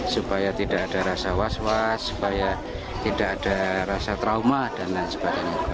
supaya tidak ada rasa was was supaya tidak ada rasa trauma dan lain sebagainya